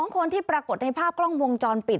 ๒คนที่ปรากฏในภาพกล้องวงจรปิด